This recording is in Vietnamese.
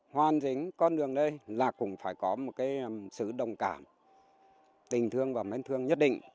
hoàn chính con đường đây là cũng phải có một sự đồng cảm tình thương và mến thương nhất định